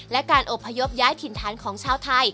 และการอบพยพย้ายถิ่นฐานของชาวไทย